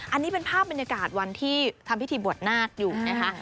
อันนี้เป็นภาพบรรยากาศวันที่ทำพิธีบวชนาคอยู่นะคะ